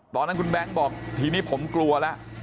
ตอนนั้นคุณแบงค์บอกทีนี้ผมกลัวแล้ว